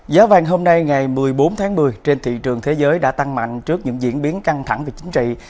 giá vàng hôm nay ngày một mươi bốn tháng một mươi trên thị trường thế giới đã tăng mạnh trước những diễn biến căng thẳng về chính trị